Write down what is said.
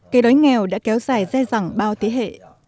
cây đói nghèo đã kéo dài dè dẳng bao thế hệ